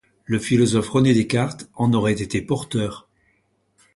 Le philosophe René Descartes en aurait été porteur.